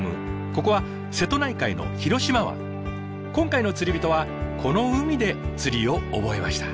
ここは今回の釣りびとはこの海で釣りを覚えました。